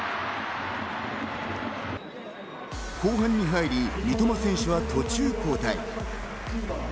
後半に入り、三笘選手は途中交代。